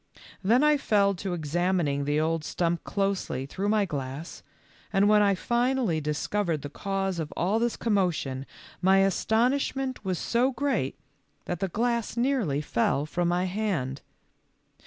Then I fell to ex amining the old stump closely through my glass, and when I finally discovered the cause of all this commotion my astonishment was so great that the glass nearly fell from my hand.